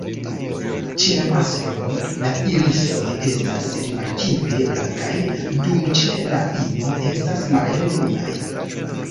Ĉe la masklo, la irisoj estas rimarkinde blankaj, dum ĉe la ino estas malhelbrunaj.